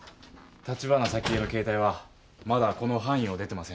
橘沙希江の携帯はまだこの範囲を出てません。